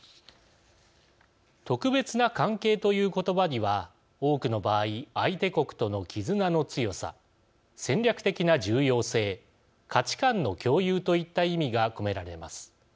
特別な関係という言葉には多くの場合相手国との絆の強さ戦略的な重要性価値観の共有といった意味が込められます。